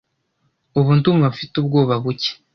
Ubu ndumva mfite ubwoba buke.